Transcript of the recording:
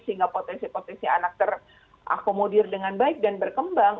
sehingga potensi potensi anak terakomodir dengan baik dan berkembang